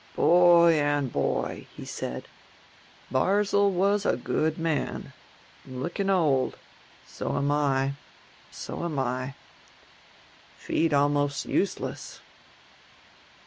"Boy and boy," he said. "Barzil was a good man... looking old. So am I, so am I. Feet almost useless.